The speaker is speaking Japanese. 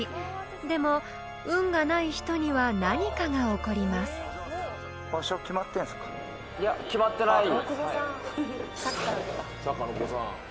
［でも運がない人には何かが起こります］